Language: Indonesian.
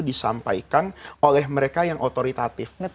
disampaikan oleh mereka yang otoritatif